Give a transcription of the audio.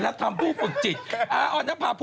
ไม่มันก็ได้แค่ประมาณ๒๐